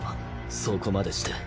そこまでして。